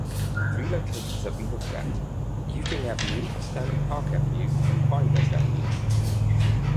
Three locations have been looked at; Utting Avenue, Stanley Park Avenue and Pinehurst Avenue.